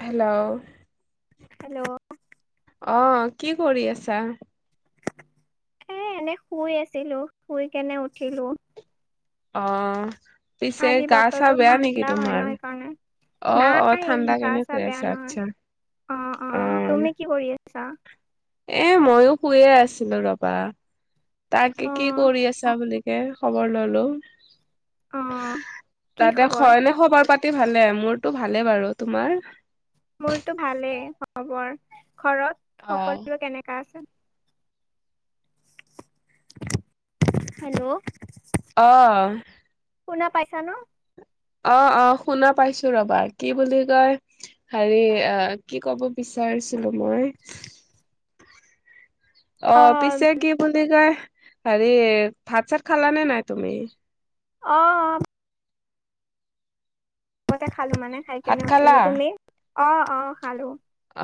Hello. Hello. অহ, কি কৰি আছা? এ এনেই শুই আছিলোঁ, শুই কেনে উঠিলোঁ। অহ। আজি বতৰটো ঠাণ্ডা হয় ন' অ সেইকাৰণে। অ নাই ঠাণ্ডা গা কেনে চা হৈ বেয়া আছে নহয়। আচ্ছা অহ', অ অহ' তুমি কি কৰি আছা? এ মইও শুইৱে আছিলোঁ ৰবা তাকে অ কি কৰি আছা বুলি তাকে খবৰ ললোঁ, অ কি তাকে খবৰ হয়নে খবৰ পাতি ভালে, মোৰতো ভালে বাৰু। তোমাৰ? মোৰটো ভালেই খবৰ। ঘৰত অ সকলোৰে কেনেকা আছে? [unintelligible] হেল্ল'। অহ। শুনা পাইছা ন'? অহ', অহ' শুনা পাইছোঁ ৰবা। কি বুলি কয়? হেৰি অহ, কি কব বিচাৰিছিলোঁ মই। [unintelligible] অ অহ, পিছে কি বুলি কয় হেৰি ভাত-চাত খালানে নাই তুমি? অহ। তে খালোঁ মানে খাই ভাত কেনে খালা? উঠিলোঁ। তুমি? অহ', অহ' খালোঁ।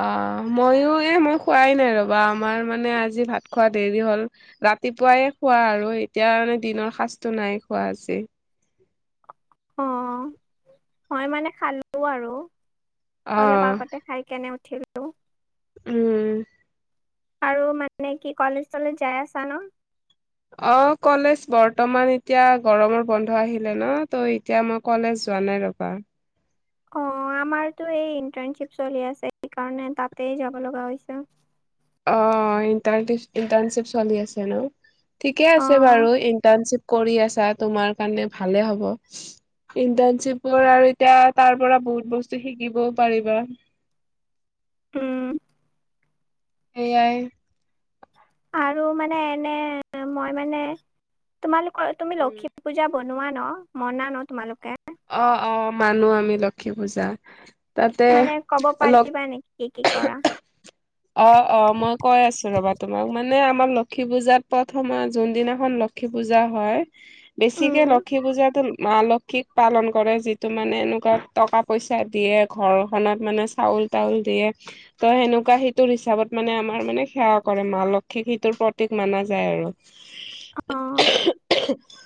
অহ, মইয়ো এই মই খোৱাই নাই ৰ'বা আমাৰ মানে আজি ভাত খোৱা দেৰি হ'ল। ৰাতিপুৱাই খোৱা আৰু এতিয়া মানে দিনৰ সাঁজটো নাই খোৱা আজি। অহ, মই মানে খালোঁ আৰু অলপ অ' আগতে। খায় কেনে উঠিলোঁ। উম। আৰু মানে কি কলেজ-চলেজ যায় আছা ন'? অহ, কলেজ বৰ্তমান এতিয়া গৰমৰ বন্ধ আহিলে ন' ত এতিয়া মই কলেজ যোৱা নাই ৰবা। অহ, আমাৰতো এই ইন্টাৰনশ্বিপ চলি আছে সেইকাৰণে তাতে যাব লগা হৈছে। অহ, ইন্টাৰচি-ইন্টাৰণশ্বিপ চলি আছে ন'। ঠিকে অ আছে বাৰু ইন্টাৰশ্বিপ কৰি আছা তোমাৰ কাৰণে ভালে হ'ব। ইণ্টাণশ্বিপৰ আৰু এতিয়া তাৰপৰা বহুত বস্তু শিকিবও পাৰিবা। উম। এয়াই। আৰু মানে এনে মই মানে তোমালোকৰ, তুমি উম লক্ষ্মী পূজা বন বনোৱা ন' মনা ন' তোমালোকে। অহ', অহ' মানো আমি লক্ষী পূজা। তাতে মানে ক'ব লগ পাৰিবা নেকি, কি কি কৰা? অহ', অহ' মই কৈ আছো ৰবা তোমাক, মানে আমাৰ লক্ষী পূজাত প্ৰথমে যোনদিনাখন লক্ষী পূজা হয়, বেছিকে উম লক্ষী পূজাতো মা লক্ষ্মী লক্ষ্মীক পালন কৰে যিটো মানে এনেকুৱা টকা পইচা দিয়ে, ঘৰখনত মানে চাউল-তাউল দিয়ে। ত' সেনেকুৱা সিটোৰ হিচাপত মানে আমাৰ মানে সেৱা কৰে, মা লক্ষ্মীক সেইটোৰ প্ৰতীক মাননা যায় আৰু। অ [unintelligible]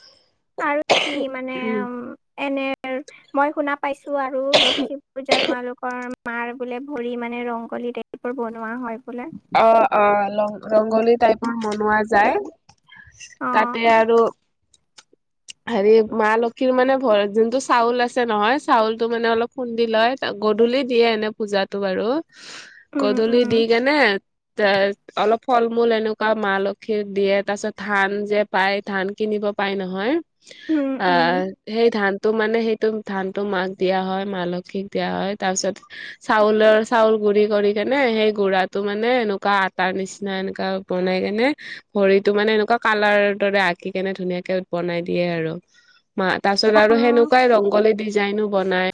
আৰু কি মানে উম, এনেই মই শুনা পাইছোঁ আৰু লক্ষ্মী পূজাত তোলোকৰ মাৰ বোলে ভৰি মানে ৰংগলী টাইপবোৰ বনোৱা হয় বোলে। অ', অ' ৰ ৰংগলী টাইপৰ বনোৱা যায় অ তাতে আৰু হেৰি মা লক্ষীৰ মানে ভ যোনটো চাউল আছে নহয় চাউলতটো মানে অলপ খুন্দি লয়। গধূলি দিয়ে এনে পূজাতটো বাৰু উম গধূলি উম দি কেনে এ অলপ ফল মূল এনেকুৱা মা লক্ষি দিয়ে তাৰ পিছত ধান যে পাই ধান কিনিব পাই নহয় উম উম আহ সেই ধানটো মানে সেইটো ধানটো মাক দিয়া হয় মা লক্ষীক দিয়া হয় তাৰপিছত চাউলৰ চাউল গুৰি কৰি কেনে সেই গুড়টো মানে এনেকুৱা আটাৰ নিচিনা এনেককা বনাই কেনে খৰিতটো মানে এনেকুৱা কালাৰ দৰে আঁকি কেনে ধুনীয়াকে বনাই দি দিয়ে আৰু মা তাৰ পাছত অ', আৰু সেনেকুৱাই ৰংগলী ডিজাইনো বনাই।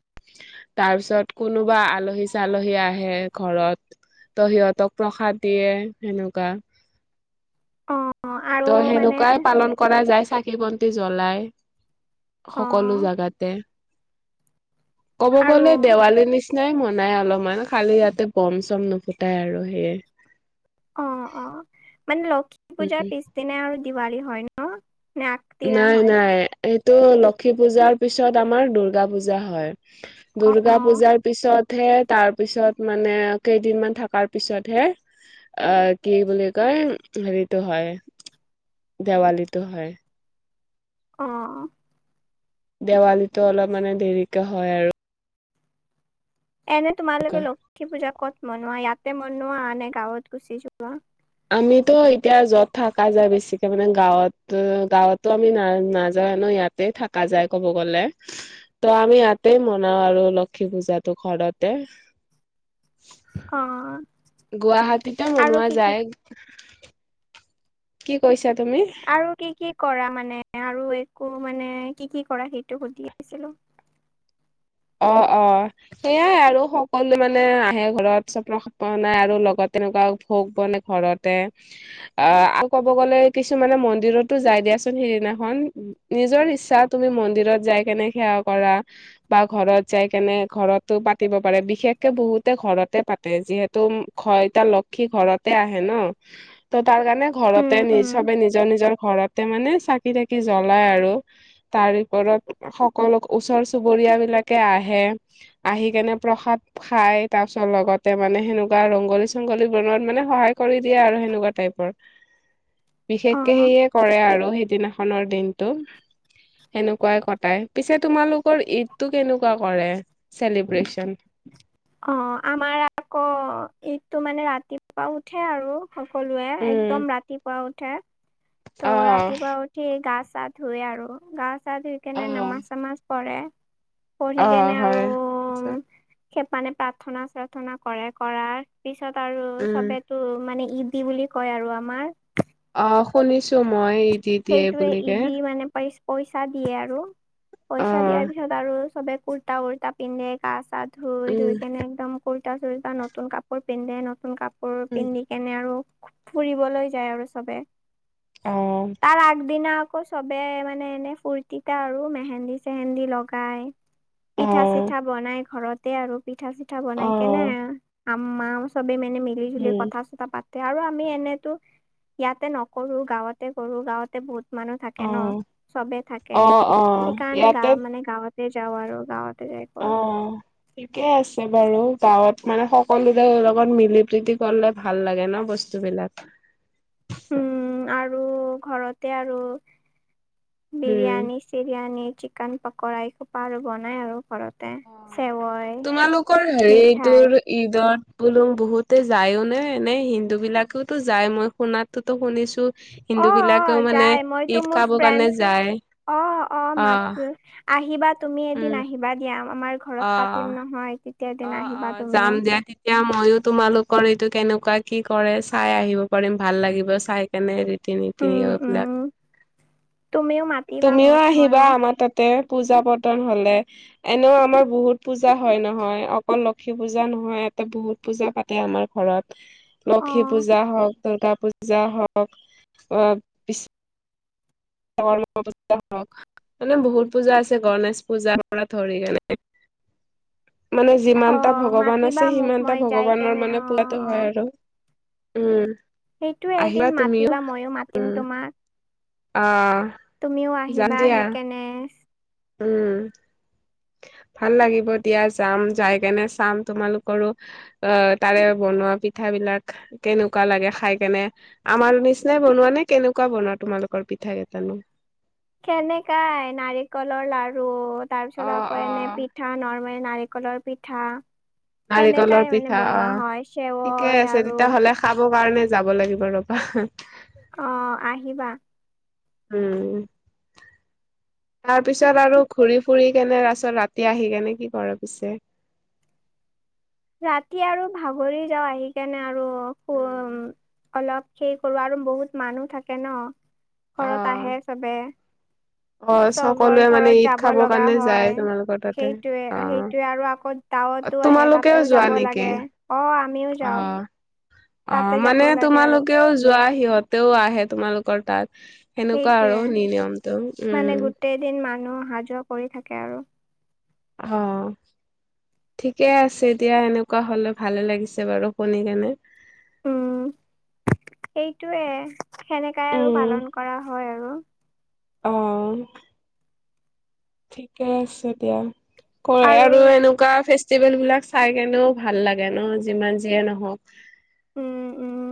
তাৰ পিছত কোনোবা আলহী চালহী আহে ঘৰত। ত সিহঁতক প্ৰসাদ দিয়ে সেনেকুৱা। অ', আৰু ত' মানে সেনেকুৱাই পালন কৰা যায় চাকি বন্তি জ্বলাই। সকলো অ', জোগাতে ক'ব আৰু গলে দেৱালী নিচিনা নিচিনাই মনাই অলপমান খালি ইয়াতে বম চম নুফুটাই আৰু সেয়ে। অ', অ' মানে লক্ষী পূজাৰ উম পিছদিনা আৰু দিৱালী হয় ন? নে আগদিনা নাই হয়? নাই এইটো লক্ষী পূজাৰ পিছত আমাৰ দূৰ্গা পূজা হয়। দুূৰ্গা অ', পূজাৰ পিছত হে তাৰপিছত মানে কেইদিনমান থকাৰ পিছতহে আহ কি বুলি কয় হেৰিটো হয়। দেৱালীতো হয়। অ' দেৱালীতো অলপ মানে দেৰিকাে হয় আৰু। এনে তোমালোকে লক্ষী পূজা কত মনোৱা ইয়াতে মনোৱা আনে গাঁৱত গুচি যোৱা? আমিতো এতিয়া যত থকা যায় বেছিকে মানে গাঁৱত গাঁৱতো আমি না নাযাওে ন ইয়াত তে থকা যায় ক'ব গ'লে। ত আমি ইয়াতে মনাও আৰু লক্ষী পূজাটো ঘৰতে। অ' গুৱাহাটীতে আৰু বনোৱা কি কি যায়। কি কৈছা তুমি? আৰু কি কি কৰা মানে আৰু একো মানে কি কি কৰা সেইটো সুধি আছিলো। অ', অ' সেইয়াই আৰু সকলো মানে আহে ঘৰত স্বপ্ননাই আৰু লগত তেনেকুৱা ভোগ বনে ঘৰত। অ' আৰু ক'ব গ'লে কিছুমানে মন্দিৰতো যাই দিয়াচোন সেইদিনাখন নিজৰ ইচ্ছা তুমি মন্দিৰত যাই কেনে সেৱা কৰা। বা ঘৰত যাই কেনে ঘৰতো পাতিব পাৰে বিশেষকে বহুতে ঘৰতে পাতে যিহেতু ঘ এতা লক্ষী ঘৰতে আহে ন ত তাৰ কাৰণে উম, ঘৰতে নিজ উম, সবে নিজৰ নিজৰ ঘৰতে মানে চাকি তাকি জ্বলাই আৰু তাৰ ওপৰত সকলো ওচৰ চুুৰ পৰিয়াল বিলাকে আহে আহি কেনে প্ৰসাদ খাই তাৰ পিছত লগতে মানে সেনেকুৱা ৰংগলী চংগলী বনোৱাত মানে সহায় কৰি দিয়ে আৰু সেনেকুৱা টাইপৰ। বিশেষকে অ', সেয়ে কৰে আৰু সেইদিনা খনৰ দিনটো সেনেকুৱাই কটাই পিছে তোমালোক ঈদটো কেনেকুৱা কৰে চেলিব্ৰেচন? অ' আমাৰ আকৌ ইটো মানে ৰাতিপোৱা উঠে আৰু সকলোৱে উম একদম ৰাতিপুৱা উঠে। অ ত' ৰাতিপুৱা উঠি গা চা ধুই আৰু গা চা ধুই কেনে অ নামাজ চামাজ পঢ় পঢ়ি অ', কেনে আৰু হয় পিছে [unintelligible] মানে প্ৰাৰ্থনা চাৰ্থনা কৰে কৰাৰ পিছত আৰু উম চবে ত মানে ইঈদ দি বুলি কয় আৰু আমাৰ অ' শুনিছো মই ঈদ ঈদ দিয়ে সেইটোৱে ই বুলিকে দি মানে পাৰ পইচা দিয়ে আৰু অ পইচা দিয়াৰ পিছত আৰু চবে কুুৰ্তা উুৰ্তা পিন্ধে গা চা ধুই উম ধুই কেনে একদম কুৰ্তা চুুৰ্তা নতুন কাপোৰ পিন্ধে নতুন কাপোৰ উম, পিন্ধি কেনে আৰু ফুৰিবলৈ যায় আৰু চবে অঁ তাৰ আগদিনা আকৌ চবে মানে এনে ফূুৰ্তিতা আৰু মেহেন্দি চেহেন্দি লগাই অ পিঠা চিঠা বনাই ঘৰতে আৰু পিঠা চিঠা অ বনাই কেনে আম মা সবে মানে মিলি জুলি উম কথা চতা পাততি আৰু আমি এনেতো ইয়াতে নকৰো গাঁৱতে কৰো গাঁৱতে বহুত মানুহ থাকে অ ন চবে থাকে অ অ সেইকাৰণে গা ইয়াতে মানে গাঁৱত যাও আৰু গাৱাতে যাই অ ঠিকেই আছে বাৰু গাঁৱত মানে সকলোৰে লগত মিলি প্ৰীতি কলে ভাল লাগে ন বস্তুবলাক উম আৰু ঘৰতে আৰু উম বিৰিয়ানী চিৰিয়ানী চিকেন পকৰা এই খোপা আৰু বনাই আৰু ঘৰত অ তোমালোকৰ মিঠাই হেৰিটোৰ ঈদত বোলুম বহুতে যায়ও নে এনেই হিন্দু বিলাকেওতো যায় মই সোণাতটোতো শুনিছো হিন্দু অ অ বিলাকেও মানে যাই মইতো ঈদ মোৰ খাব ফ্ৰেণ্ড কাৰণে যায় অ অ মাতো আহিবা তুমি উম এদিন আহিবা দিয়া আমাৰ ঘৰত অ পাতিম নহয় তেতিয়া এদিন আহিবা তুমিও এতিয়া মইো তোমালোকৰ এইটো কেনেকুৱা কি কৰে চাই আহিব পাৰিম ভাল লাগিব চাই তেনে দু তিনি তিনি উম আৰুবিলাক উম তুমিও মাতিবা তুমিও মোক আহিবা মইও আমাৰ তাত তে পূজা পাতন হলে এনেও আমাৰ বহুত পূজা হয় নহয় অকল লক্ষী পূজা নহয় ইয়াতে বহুত পূজা পাতে আমাৰ ঘৰত অ লক্ষী পূজা হওক দুূৰ্গা পূজা হওক অস্থা হক মানে বহুত পূজা আছে গণেশ পূজাৰ পৰা ধৰি কেনে মানে অ যিমানটা ভগৱান মাতিবা আছে মোক সিমানটা মই যাই ভগৱানৰ কেনে মানে অ পূজাটো অ হয় আৰু উম সেইটো আহিবা এদিন তুমিও মাতিবা মইো মাতিম তোমাৰ অ তুমিও আহিবা আহি কেনে উম ভাল লাগিব দিয়া যাম যাই কেনে চাম তোমালোকৰো অ তাৰে বনোৱা পিঠ বিলাক কেনেকুৱা লাগে খাই কেনে আমাৰ নিচিনাই বনোৱা নে কেনেকুৱা বনোৱা তোমালোকৰ পিঠা কেইটানো কেেনেকাই নাৰিকলৰ লডাৰু তাৰ অ পিছত আকৌ অ এনে পিঠা পিঠা নৰ্মে নাৰিকলৰ পিঠা নাৰিকলৰ সেনেকাই মানে পিঠা অ বনোৱা হয় ঠিকে চেৱই আছে আৰু তেতিয়াহ'লে খাব কাৰণে যাব লাগিব ৰবা অ আহিবা উম তাৰ পিছত আৰু ঘূৰি ফুৰি কেনে তছত ৰাতি আহি কেনে কি কৰে পিছে ৰাতি আৰু ভাগৰি যাওঁ আহি কাৰনেে আৰু অলপ সেই কৰৰু আৰু বহুত মানুহ থাকে ন অ ঘৰত আহে চবে অ চবৰ সকলোৱে মানে ঘৰত ঈদ যাব খাবৰ লগা কাৰণে যায় হয় তোমালোকৰ তাতে সেইটোয়ে সেই ত আৰু আকৌ গাঁৱতো আহে তোমালোকে তাতেও যাব লাগে অ আমিও যাওঁ অ তাতে যাব মানে লাগে আৰু তোমালোকেও যোৱা সিহঁতেও আহে তোমালোকৰ তাত সেনেকুৱা আৰু নি নিয়মটো উম গোটেইদিন মানুহ অহা যোৱা কৰি থাকে আৰু অ'। ঠিকে আছে এতিয়া এনেকুৱা হ'লে ভালে লাগিছে বাৰু শুনি কিনে। উম সেইটোৱে সেনেকাই আৰু উম পালন কৰা হয় আৰু। অ'। ঠিকে আছে দিয়া কয় আৰু এনো কা ফেষ্টিভেল বিলাক চাই কেনেও ভাল লাগে ন যিমান যিয়ে নহওঁক উম উম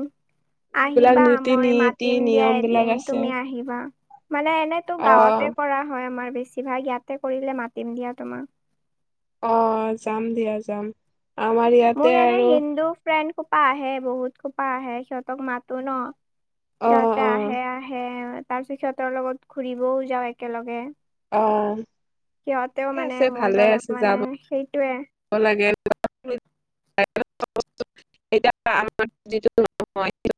যিবিলাক আহিবা নীতি মই নীতি মাতিম দিয়া নিয়ম বিলাক এদিন আছে তুমি আহিবা। মানে এনেতো অ গাঁৱতে কৰা হয় আমাৰ বেছিভাগ, ইয়াতে কৰিলে মাতিম দিয়া তোমাক। অ' যাম দিয়া যাম আমাৰ মোৰ ইয়াতে এনে আৰু হিন্দু ফ্ৰেণ্ড সোপা আহে বহুত সোপা আহে সিহ'তক মাতো ন অ সিহঁতে অ আহে। আহে আহে তাৰিছত সিহঁতৰ লগত ঘুৰিবও যাওঁ একেলগে। অ'। সিহঁতেওঁ ঠিকে মানে আছে মোৰ ভালে দৰে আছে যাম মানে সেইটোৱে লাগে [unintelligible] এ আমাৰ যিটো নহ [unintelligible]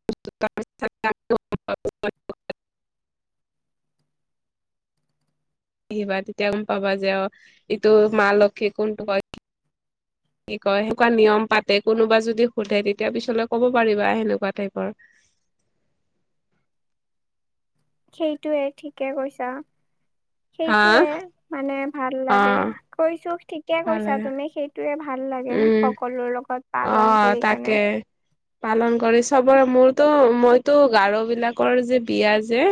আহিবা তেতিয়া গ'ম পাবা যে অ ইটো মা লক্ষী কোনটো কয়। কি কয় সেনেকুৱা নিয়ম পাতে কোনোবা যদি সোধে তেতিয়া পিছলৈ ক'ব পাৰিবা সেনেকুৱা টাইপৰ। সেইটোৱে ঠিকে কৈছা হা সেইটোৱে মানে ভাল অ লাগে। কৈছো ঠিকে ভাল কৈছা লাগে তুমি সেইটোয়ে ভাল লাগে উম সকলৰে লগত। পালন অ' কৰি কেনে। তাকে। পালন কৰে চবৰে, মোৰতো মইতো গাৰো বিলাকৰ যে বিয়া যে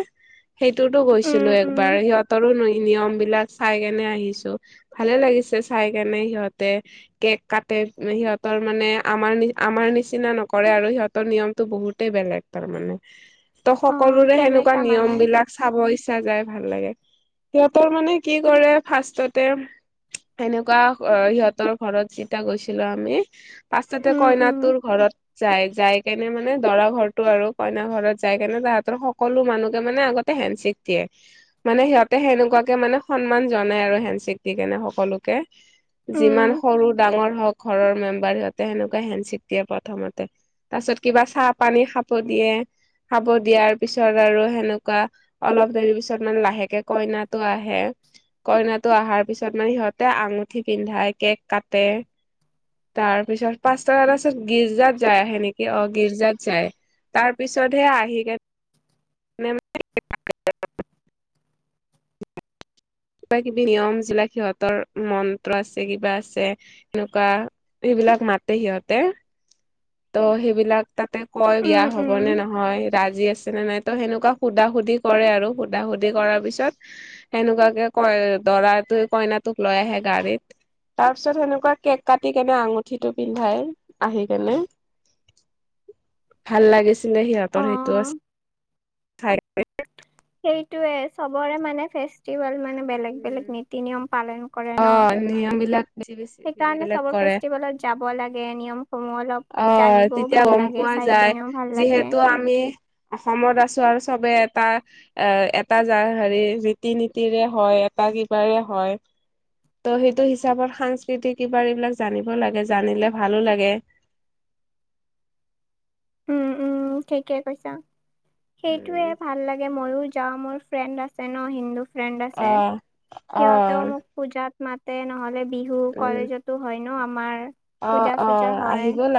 সেইটোতো উম গৈছিলো উম একবাৰ সিহঁতৰো নিয়ম বিলাক চাই কিনে আহিছো ভালে লাগিছে চাই কিনে, সিহঁতে কেক কাটে সিহঁত তাৰমানে আমাৰ নিচিনা নকৰে আৰু সিহঁতৰ নিয়মতটো বহুতেই বেলেগ তাৰ মানে। ত অ সকলোৰে সেনেকুৱা কেনেকা মানে নিয়ম বিলাক চাব ইচ্ছা যায় ভাল লাগে। সিহঁতৰ মানে কি কৰে ফাৰ্ষ্ষ্টতে সেনেকুৱা সিহঁতৰ ঘৰত যেতিয়া গৈছিলো আমি পাছতে উম উম কইনাত তোৰ ঘৰৰত যাই যাই কেনে মানে দৰা ঘৰটো আৰু কইনা ঘৰত যাই কেনে তাহাঁতৰ সকলো মানুহকে মানে আগত হেণ্ডচেক দিয়ে। মানে সিহঁতে সেনেকুৱাকে মানে সন্মান জনাই আৰু হেণ্ডচেক দি কেনে সকলোকে। উম যিমান সৰু ডাঙৰ হওঁক ঘৰৰ মেম বাৰকে সেনেকুৱা হেণ্ডচেক দিয়ে প্ৰথমতে তাৰ পিছত কিবা চাহ পানী খাব দিয়ে। খাব দিয়াৰ পিছত আৰু সেনেকুৱা অলপ দেৰি পিছত মানে লাহেকে কইনাটো আহে। কইনা টো অহাৰ পিছত মানে সিহঁতে আঙুঠি পিন্ধাই কেক কাটে তাৰ পিছত পাঁচটা ত পাছত গিৰ্জাত যাই আহে নেকি অ' গীৰ্জাত যায়। তাৰ পিছতহে আহি কে মেম [unintelligible] কিবা কিবি নিয়ম যিবিলাক সিহঁতৰ মন্ত্ৰ আছে কিবা আছে সনেকুৱা সেইবিলাক মাতে সিহঁতে। ত' সেইবিলাক তাতে কয় উম বিয়া হ'ব উম নে নহয় ৰাজি আছে নে নাই ত' সেনেকুৱা সোধা সুধি কৰে আৰু, সোধা সুধি কৰাৰ পিছত সেনেকুৱাকে কই দৰাতোৱে কইনাটোক লৈ আহে গাড়ীত তাৰ পিছত সেনেকুৱা কেক কাটি কেনে আঙুঠিটো পিন্ধাই আহি কেনে। ভাল লাগিছিল ন অ সিহঁতৰ সেইটো চাই। সেইটোয়ে চবৰে মানে ফেষ্টিভেল। মানে বেলেগ বেলেগ নীতি নিয়ম পালন কৰে অ ন। নিয়ম বিলাক বেছি বেছি বেলেগ সেইকাৰণে বেলেগ চব কৰে ফেষ্টিভেলত যাব লাগে, নিয়মসমূহ অলপ অ' জানিবও তেতিয়া ভাল গ'ম লাগে পোৱা চাই যায়। কেনেও ভাল লাগে যিহেতু আমি অসমত আছোঁ আৰু চবে এটা এ, এটা য হেৰি ৰীতি নীতিৰে হয় এটা কিবাৰে হয়, ত' সেইটো হিচাপত সাংস্কৃতিক কিবাৰ এইবিলাক জানিব লাগে জানিলে ভালো লাগে। উম, উম, ঠিকে কৈছা সেইটোোৱে উম। ভাল লাগে মইো যাওঁ মোৰ ফ্ৰেণ্ড আছে ন হিন্দু ফ্ৰেণ্ড আছে অ', সিহঁতেও অ', মোক পূজাত মাতে নহ'লে বিহু উম, কলেজতো হয় ন আমাৰ অ', পূজা চূজা অ', হয়, আহিব লা